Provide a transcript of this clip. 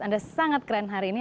anda sangat keren hari ini